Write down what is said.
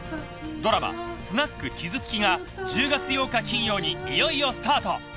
ドラマ『スナックキズツキが』１０月８日金曜にいよいよスタート。